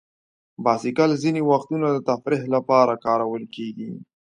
بایسکل ځینې وختونه د تفریح لپاره کارول کېږي.